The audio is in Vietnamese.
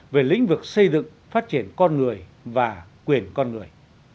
về lĩnh vực xây dựng phát triển con người và quyền con người